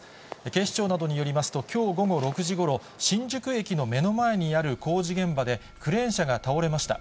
警視庁などによりますと、きょう午後６時ごろ、新宿駅の目の前にある工事現場で、クレーン車が倒れました。